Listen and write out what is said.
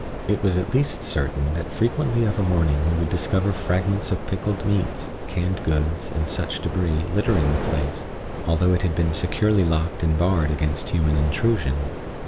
It was at least certain that frequently of a morning we would discover fragments of pickled meats, canned goods and such débris, littering the place, although it had been securely locked and barred against human intrusion.